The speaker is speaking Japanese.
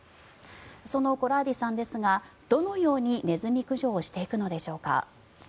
そのコラーディさんですがどのようにネズミ駆除をしていくのでしょうか。